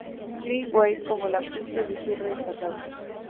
Clean" White como la pista de cierre destacada.